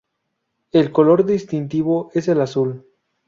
El color distintivo es el azul.